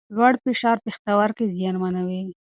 لوړ فشار پښتورګي زیانمنوي.